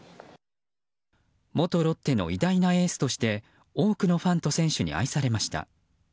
元ロッテの偉大なエースとして多くのファンと選手に愛されました。